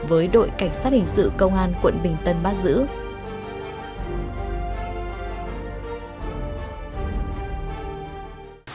với đội cảnh sát hình sự công an quận bình tân bắt giữ